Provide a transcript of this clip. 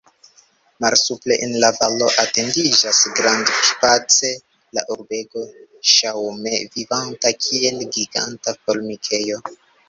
Malsupre, en la valo, etendiĝas grandspace la urbego, ŝaŭme vivanta, kiel giganta formikejo.